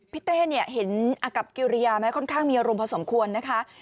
พี่เต้เห็นอักกับเกียริยาไหมค่อนข้างมีอารมณ์พอสมควรนะคะ